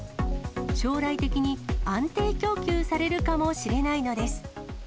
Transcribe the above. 将来的に安定供給されるかもしれないのです。